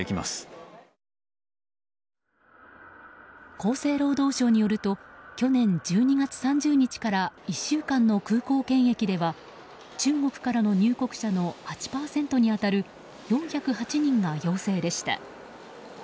厚生労働省によると去年１２月３０日から１週間の空港検疫では中国からの入国者の８％に当たる４０８人が陽性でした。